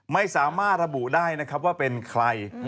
ไม่สามารถระบุได้ว่าเป็นใคร